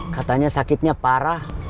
katanya sakitnya parah